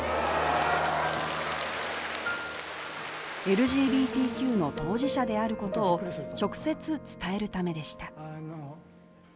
ＬＧＢＴＱの当事者であることを直接伝えるためでした。